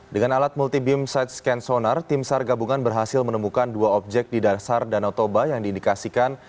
dengan alat multi beam side scan sonar tim sar gabungan berhasil menemukan dua objek di dasar danau toba yang diindikasikan